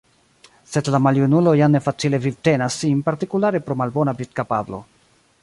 Sed la maljunulo jam ne facile vivtenas sin partikulare pro malbona vidkapablo.